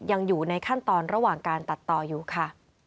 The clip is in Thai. ยังอยู่ในขั้นตอนระหว่างการตัดต่ออยู่ค่ะ